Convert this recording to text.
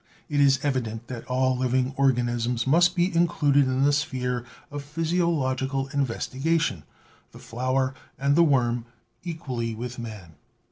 It is evident that all living organisms must be included in the sphere of physiological investigation, the flower and the worm equally with man.